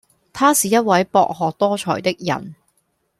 他是一位博學多才的人